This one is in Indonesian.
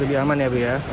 lebih aman ya bu ya